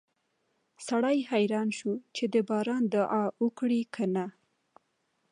سړی حیران شو چې د باران دعا وکړي که نه